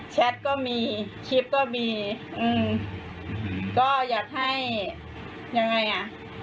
แท็ตก็มีคลิปก็มีอืมก็อยากให้ยังไงอ่ะ